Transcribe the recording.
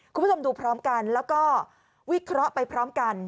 คุณผู้ชมดูพร้อมกันแล้วก็วิเคราะห์ไปพร้อมกัน